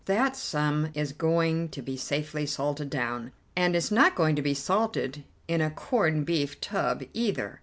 That sum is going to be safely salted down, and it's not going to be salted in a corned beef tub either.